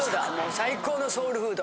最高のソウルフード。